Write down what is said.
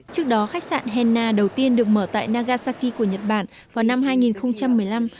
trước đó khách sạn henna đầu tiên được mở tại nagasaki của nhật bản vào năm hai nghìn một mươi năm